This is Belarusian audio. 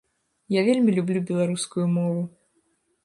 Я вельмі люблю беларускую мову.